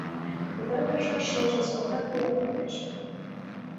Тугай пашаш шылше салтак веле коштеш.